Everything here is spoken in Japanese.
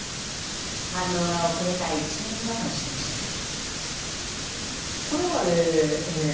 反応が遅れた一因だと指摘します。